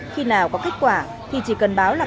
khi nào có kết quả thì chỉ cần báo là